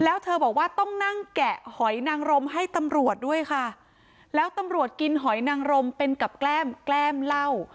แล้วเธอบอกว่าต้องนั่งแกะหอยนางรมให้ตำรวจด้วยค่ะแล้วตำรวจกินหอยนางรมเป็นกับแก้มแก้มเหล้า